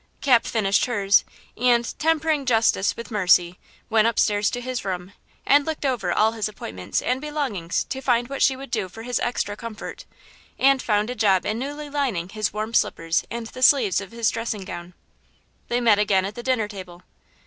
Cap finished hers, and, 'tempering justice with mercy,' went upstairs to his room and looked over all his appointments and belongings to find what she would do for his extra comfort, and found a job in newly lining his warm slippers and the sleeves of his dressing gown. They met again at the dinner table.